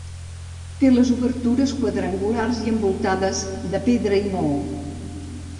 Té les obertures quadrangulars i envoltades de pedra i maó.